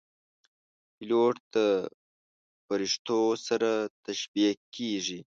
پیلوټ د پرښتو سره تشبیه کېږي.